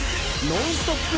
ノンストップ！